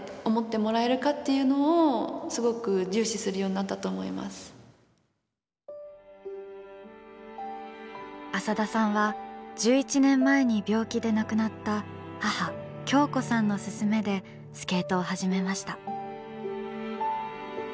やっぱり浅田さんは１１年前に病気で亡くなった母匡子さんの勧めでスケートを始めました。